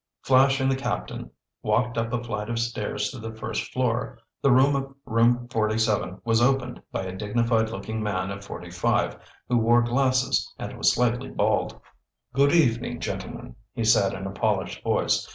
Flash and the captain walked up a flight of stairs to the first floor. The door of Room 47 was opened by a dignified looking man of forty five who wore glasses and was slightly bald. "Good evening, gentlemen," he said in a polished voice.